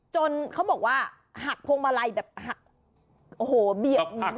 เขาบอกว่าหักพวงมาลัยแบบหักโอ้โหเบียบ